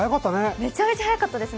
めちゃめちゃ速かったですね。